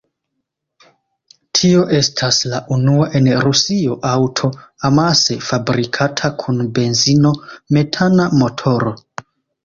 Tio estas la unua en Rusio aŭto, amase fabrikata kun benzino-metana motoro.